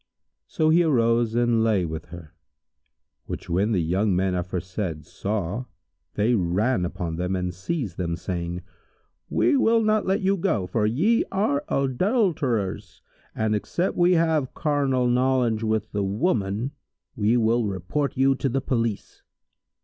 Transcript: So he arose and lay with her, which when the young men aforesaid saw, they ran upon them and seized them,[FN#149] saying, "We will not let you go, for ye are adulterers, and except we have carnal knowledge of the woman, we will report you to the police."